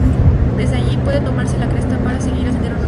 Desde ahí, puede tomarse la cresta para seguir el sendero nororiental.